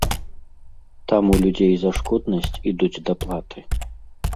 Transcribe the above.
Там у людзей за шкоднасць ідуць даплаты.